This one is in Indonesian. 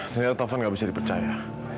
ternyata taufan nggak bisa dipercaya